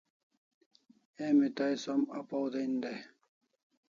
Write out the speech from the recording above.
Emi Tay som apaw den dai